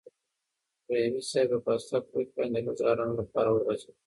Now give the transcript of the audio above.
رحیمي صیب په پاسته کوچ باندې د لږ ارام لپاره وغځېد.